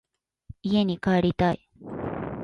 家に帰りたい。